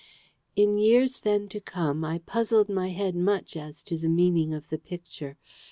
In years then to come, I puzzled my head much as to the meaning of the Picture.